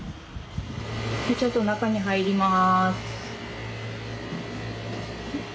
ちょっと中に入ります。